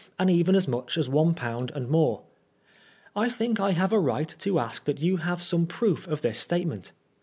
and even as much as £1 and more. I think I have a right to ask that you should have some proof of this statement.